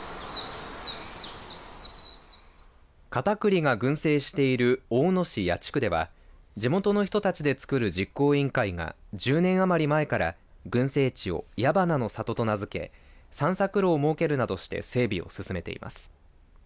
カタクリが群生している大野市矢地区では地元の人たちでつくる実行委員会が１０年余り前から群生地を矢ばなの里と名付け散策路を設けるなどして整備を進めています。